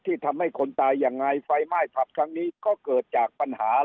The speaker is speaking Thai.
ที่ทำให้คนตายยังไงไฟไหม้ผับครั้งนี้ก็เกิดจากปัญหา